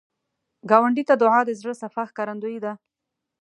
ګاونډي ته دعا، د زړه صفا ښکارندویي ده